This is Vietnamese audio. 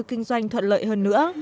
kinh doanh thuận lợi hơn nữa